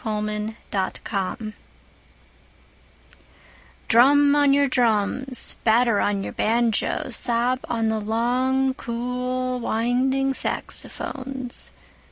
Jazz Fantasia DRUM on your drums, batter on your banjoes, sob on the long cool winding saxophones.